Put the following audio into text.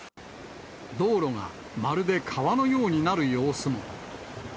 道路がまるで川のようになる様子も。